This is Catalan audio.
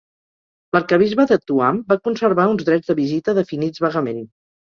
L'arquebisbe de Tuam va conservar uns drets de visita definits vagament.